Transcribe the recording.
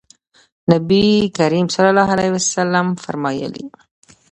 نبي کریم صلی الله علیه وسلم فرمایلي: